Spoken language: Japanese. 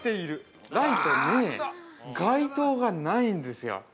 ◆街灯がないんですよ。